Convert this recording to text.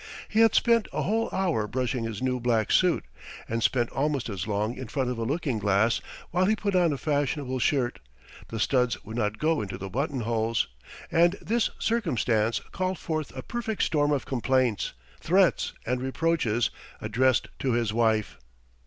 He had spent a whole hour brushing his new black suit, and spent almost as long in front of a looking glass while he put on a fashionable shirt; the studs would not go into the button holes, and this circumstance called forth a perfect storm of complaints, threats, and reproaches addressed to his wife.